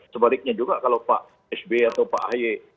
sebaliknya juga kalau pak hb atau pak aye